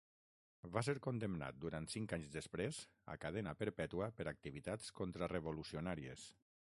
Va ser condemnat durant cinc anys després a cadena perpètua per activitats contrarevolucionàries.